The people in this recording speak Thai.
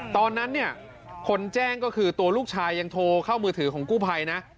ตอนนั้นเนี่ยคนแจ้งก็คือตัวลูกชายยังโทรเข้ามือถือของกู้ภัยนะ